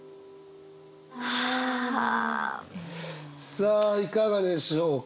さあいかがでしょうか？